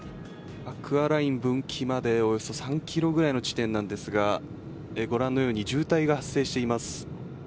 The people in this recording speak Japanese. アクアライン分岐までおよそ３ｋｍくらいの地点ですがご覧のように渋滞が発生しています。